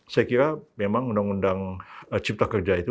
saya kira memang undang undang cipta kerja itu